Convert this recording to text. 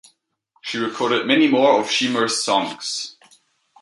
She recorded many more of Shemer's songs.